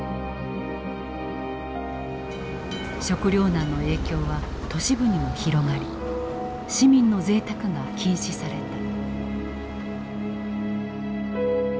食糧難の影響は都市部にも広がり市民のぜいたくが禁止された。